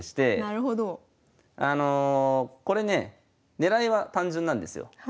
狙いは単純なんですよ。